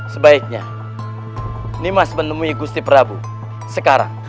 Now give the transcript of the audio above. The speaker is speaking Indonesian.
sebaiknya nimas menemui gusti prabu sekarang